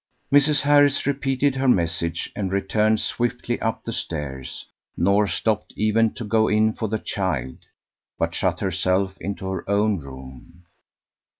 Mrs. Harris repeated her message, and returned swiftly up the stairs, nor stopped even to go in for the child, but shut herself into her own room.